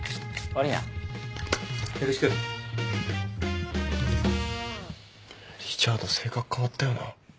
リチャード性格変わったよな。